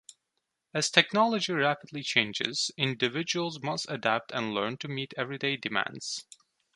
As technology rapidly changes, individuals must adapt and learn to meet everyday demands.